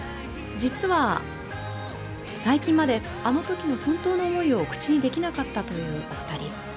実は最近まであのときの本当の思いを口にできなかったという２人。